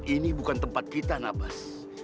ini bukan tempat kita nabas